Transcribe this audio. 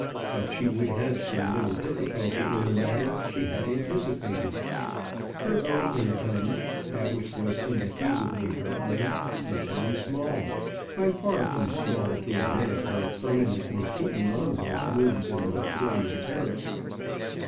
That she would have some little difficulty in the matter, she had anticipated. Her own income that which was indefeasibly her own was very small; by far too small to admit of her permanently keeping on those rooms in Montpellier Terrace.